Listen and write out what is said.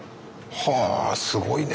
はぁすごいね。